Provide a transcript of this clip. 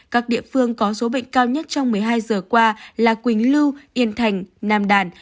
các địa phương có số bệnh cao nhất trong một mươi hai giờ qua là quỳnh lưu yên thành nam đàn